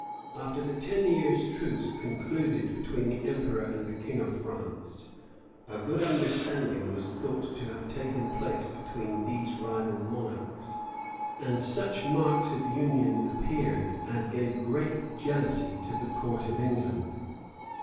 After the ten years' truce concluded between the emperor and the king of France, a good understanding was thought to have taken place between these rival monarchs; and such marks of union appeared, as gave great jealousy to the court of England.